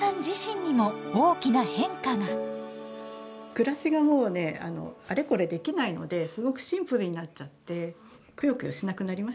暮らしがもうねあれこれできないのですごくシンプルになっちゃってクヨクヨしなくなりましたね。